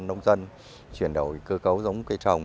nông dân chuyển đổi cơ cấu giống cây trồng